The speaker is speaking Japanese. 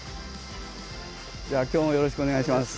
じゃあ今日もよろしくお願いします。